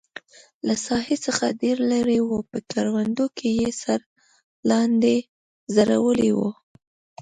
له ساحې څخه ډېر لرې و، په کروندو کې یې سر لاندې ځړولی و.